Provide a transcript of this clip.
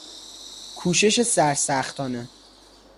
کوشش سرسختانه